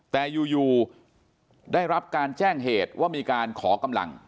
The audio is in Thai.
แต่อยู่ได้รับการแจ้งเหตุว่ามีการขอกำลัง